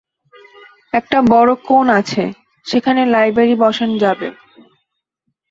একটা বড় কোণ আছে, সেখানে লাইব্রেরী বসান যাবে।